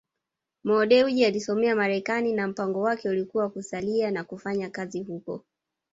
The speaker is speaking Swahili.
Mo Dewji alisomea Marekani na mpango wake ulikuwa kusalia na kufanya kazi huko